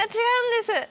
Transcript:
違うんです！